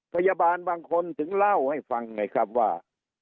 พยาบาลบางคนถึงเล่าให้ฟังไงครับว่า